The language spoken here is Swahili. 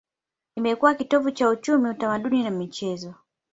Imekuwa kitovu cha uchumi, utamaduni na michezo.